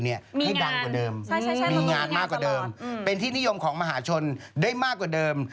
ให้ดังกว่าเดิมมีงานมากกว่าเดิมเป็นที่นิยมของมหาชนได้มากกว่าเดิม